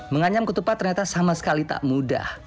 menganyam ketupat ternyata sama sekali tak mudah